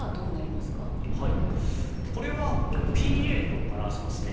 はいこれはＰと表せますね。